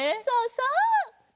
そうそう！